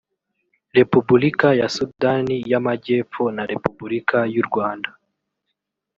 repubulika ya sudani y amajyepfo na repubulika y u rwanda